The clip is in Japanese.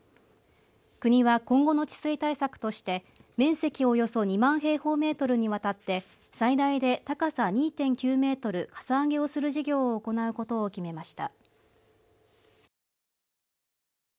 国は今後の治水対策として面積およそ２万平方メートルにわたって最大で高さ２．９メートルかさ上げをする事業を行うことを決めました。